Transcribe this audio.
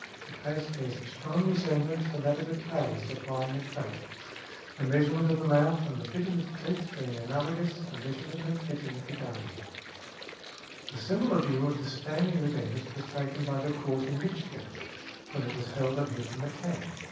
The case bears a strong resemblance to that of a tailor supplying a coat, the measurement of the mouth and the fitting of the teeth being analogous to the measurement and fitting of the garment" . A similar view of the standing of a dentist was taken by the Court in Michigan, when it held that he was a "mechanic."